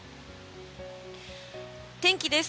天気です。